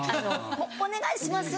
「お願いします！」